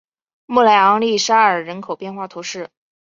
莫莱昂利沙尔人口变化图示